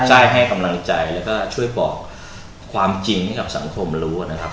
ใช่ให้กำลังใจแล้วก็ช่วยบอกความจริงให้กับสังคมรู้นะครับ